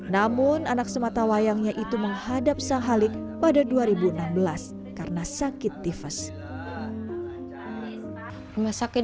namun anak sematawayangnya itu menghadap sang halik pada dua ribu enam belas karena sakit tifus rumah sakit